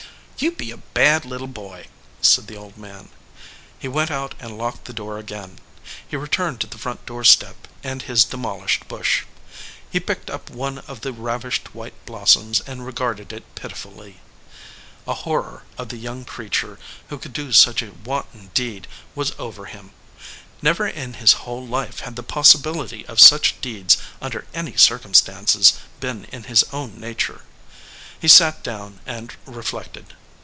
/"You be a bad little boy," said the old man. He went out and locked the door again. He returned to the front door step and his demolished bush. He picked up one of the ravished white blossoms and regarded it pitifully. A horror of the young 113 EDGEWATER PEOPLE creature who could do such a wanton deed was over him. Never in his whole life had the possi bility of such deeds under any circumstances been in his own nature. He sat down and reflected.